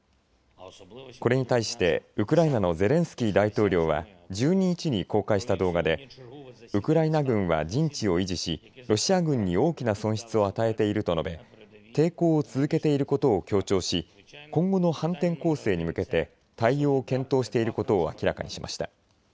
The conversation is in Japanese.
これに対してウクライナのゼレンスキー大統領は１２日に公開した動画でウクライナ軍は陣地を維持しロシア軍に大きな損失を与えていると述べ、抵抗を続けていることを強調し今後の反転攻勢に向けて対応を検討していることを明らかにしました。